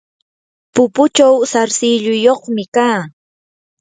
pupuchaw sarsilluyuqmi kaa.